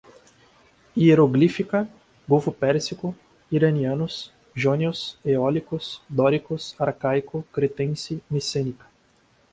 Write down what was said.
hieroglífica, golfo pérsico, iranianos, jônios, eólicos, dóricos, arcaico, cretense, micênica